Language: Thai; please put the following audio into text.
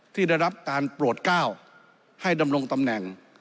ที่ได้รับการโปรดก้าวให้ดำรงตำแหน่ง